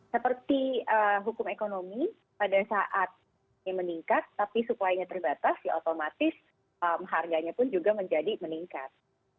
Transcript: seperti hukum ekonomi pada saat ini meningkat tapi supply nya terbatas ya otomatis harganya pun juga menjadi meningkat